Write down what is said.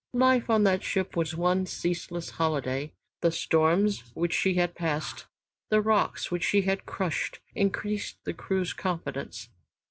Life on that ship was one ceaseless holiday. The storms which she had passed, the rocks which she had crushed, increased the crew's confidence.